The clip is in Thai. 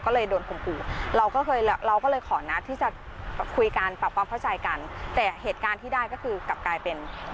ก็เลยโดนข่มขู่เราก็เคยเราก็เลยขอนัดที่จะคุยกันปรับความเข้าใจกันแต่เหตุการณ์ที่ได้ก็คือกลับกลายเป็น